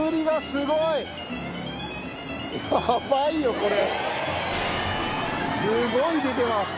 すごい出てます。